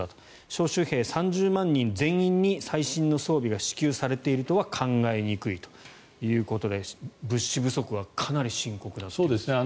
招集兵３０万人全員に最新の装備が支給されているとは考えにくいということで物資不足はかなり深刻なんですね。